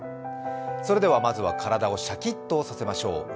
それではまずは体をシャキッとさせましょう。